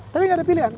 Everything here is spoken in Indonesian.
tapi gak ada pilihan